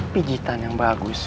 pijitan yang bagus